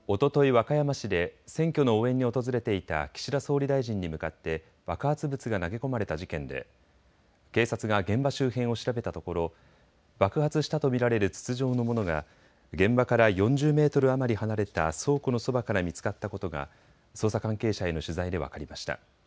和歌山市で選挙の応援に訪れていた岸田総理大臣に向かって爆発物が投げ込まれた事件で警察が現場周辺を調べたところ爆発したと見られる筒状のものが現場から４０メートル余り離れた倉庫のそばから見つかったことが捜査関係者への取材で分かりました。